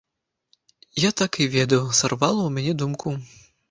Я так і ведаў, сарвала ў мяне думку.